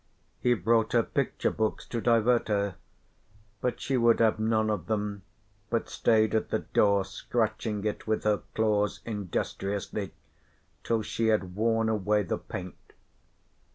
He brought her picture books to divert her, but she would have none of them but stayed at the door scratching it with her claws industriously till she had worn away the paint.